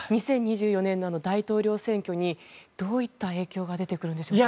２０２４年の大統領選挙にどういった影響が出てくるんでしょうか？